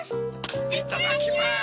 いただきます！